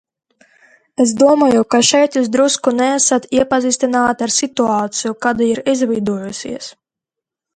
Es domāju, ka šeit jūs drusku neesat iepazīstināti ar situāciju, kāda ir izveidojusies.